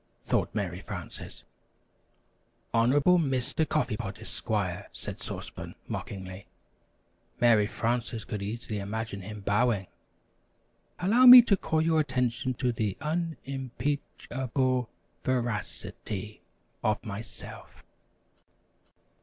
thought Mary Frances.) "Honorable Mr. Coffee Pot, Esquire," said Sauce Pan, mockingly. (Mary Frances could easily imagine him bowing.) "Allow me to call your attention to the un im peach able ver ac i ty of myself."